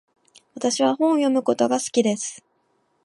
私は本を読むことが好きです。